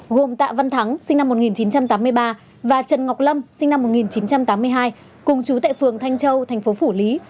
gồm tạ văn thắng sinh năm một nghìn chín trăm tám mươi ba và trần ngọc lâm sinh năm một nghìn chín trăm tám mươi hai cùng chú tại phường thanh châu thành phố phủ lý